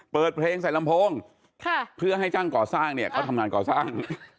เปิดเพลงใส่ลำโพงเพื่อให้ช่างก่อสร้างเนี่ยเขาทำงานก่อสร้าง